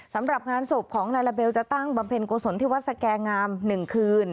สำหรับงานศพของลาลาเบลจะตั้งบำเพ็ญกุศลที่วัดสแก่งาม๑คืน